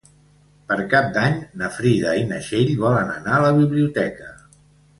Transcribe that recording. Per Cap d'Any na Frida i na Txell volen anar a la biblioteca.